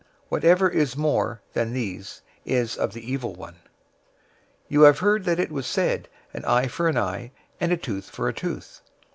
Whatever is more than these is of the evil one. 005:038 "You have heard that it was said, 'An eye for an eye, and a tooth for a tooth.'